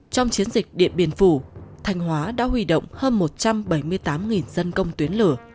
trong chiến dịch điện biên phủ thanh hóa đã huy động hơn một trăm bảy mươi tám dân công tuyến lửa